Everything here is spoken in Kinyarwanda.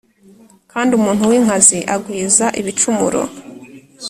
kandi umuntu w’inkazi agwiza ibicumuro